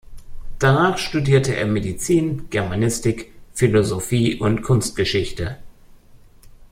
Danach studierte er Medizin, Germanistik, Philosophie und Kunstgeschichte.